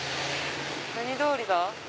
何通りだ？